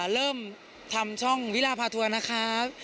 เริ่มทำช่องวิราพาทัวร์นะครับ